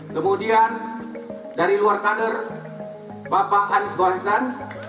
kemudian dari luar kader bapak anies baswedan